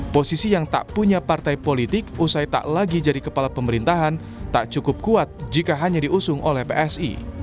posisi yang tak punya partai politik usai tak lagi jadi kepala pemerintahan tak cukup kuat jika hanya diusung oleh psi